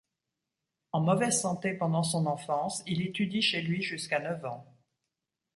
En mauvaise santé pendant son enfance il étudie chez lui jusqu'à neuf ans.